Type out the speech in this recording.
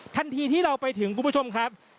ทันทีที่เราไปถึงคุณผู้ชมครับ